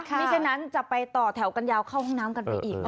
ไม่ใช่นั้นจะไปต่อแถวกันยาวเข้าห้องน้ำกันไปอีก